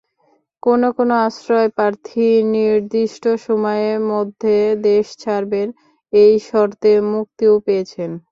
কোনো কোনো আশ্রয়প্রার্থী নির্দিষ্ট সময়ের মধ্যে দেশ ছাড়বেন—এই শর্তে মুক্তিও পেয়েছেন।